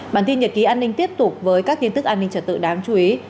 bản tin nhật ký an ninh tiếp tục với các tin tức an ninh trật tự đáng chú ý